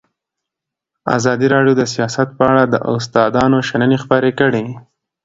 ازادي راډیو د سیاست په اړه د استادانو شننې خپرې کړي.